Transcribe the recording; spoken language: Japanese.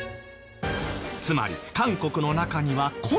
つまり韓国の中にはこんな人も。